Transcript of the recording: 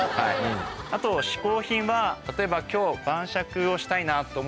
あと嗜好品は例えば今日。